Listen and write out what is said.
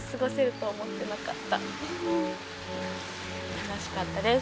楽しかったです。